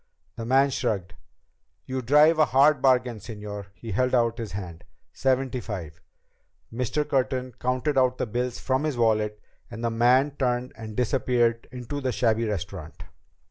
The man shrugged. "You drive a hard bargain, señor." He held out his hand. "Seventy five." Mr. Curtin counted out the bills from his wallet and the man turned and disappeared into the shabby restaurant.